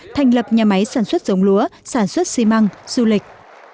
thành lập nhà máy sản xuất giống lúa sản xuất xi măng du lịch